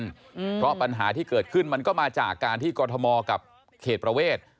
เพราะปัญหาที่เกิดขึ้นมันก็มาจากการที่กรทมกับเขตประเวท